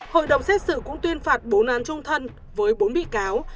hội đồng xét xử cũng tuyên phạt bốn án trung thân với bốn bị cáo